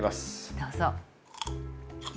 どうぞ。